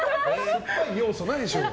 酸っぱい要素ないでしょ。